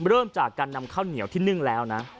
เริ่มจากการนำข้าวเหนียวที่นึ่งแล้วนะ